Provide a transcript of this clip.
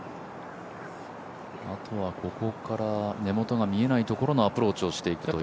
あとは、ここから根元が見えないところのアプローチをしていくという。